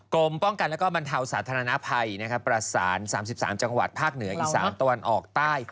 กรมป้องกันและบรรเทาสาธารณภัยประสาน๓๓จังหวัดภาคเหนืออีสานตะวันออกใต้